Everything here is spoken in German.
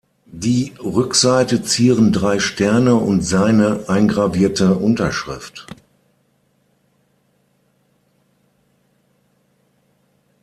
Die Rückseite zieren drei Sterne und seine eingravierte Unterschrift.